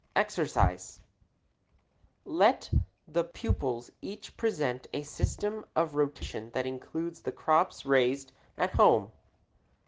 =EXERCISE= Let the pupils each present a system of rotation that includes the crops raised at home.